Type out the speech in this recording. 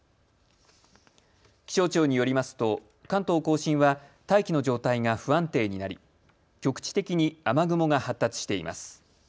気象庁によりますと関東甲信は大気の状態が不安定になり局地的に雨雲が発達しています。